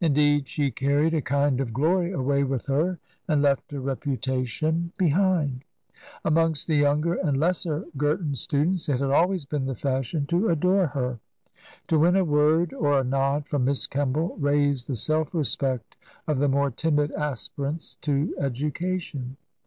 In deed, she carried a kind of glory away with her and left a reputation behind ; amongst the younger and lesser Gir ton students it had always been the fashion to adore her. To win a word or a nod from Miss Kemball raised the self respect of the more timid aspirants to education.